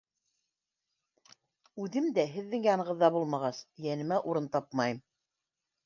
Үҙем дә һеҙҙең янығыҙҙа булмағас, йәнемә урын тапмайым.